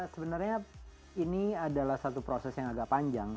sebenarnya ini adalah satu proses yang agak panjang